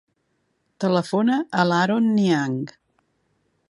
Telefona a l'Aaron Niang.